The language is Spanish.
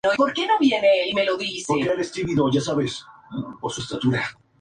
Se jugó por eliminación directa en dos rondas: semifinales y una final.